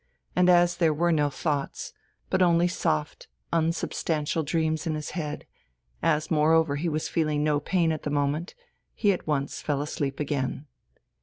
And as there were no thoughts, but only soft unsubstantial dreams in his head, as moreover he was feeling no pain at the moment, he at once fell asleep again.